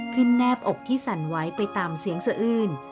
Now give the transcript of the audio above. แนบอกที่สั่นไว้ไปตามเสียงสะอื้น